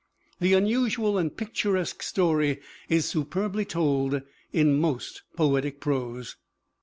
The unusual and picturesque story is superbly told in most poetic prose.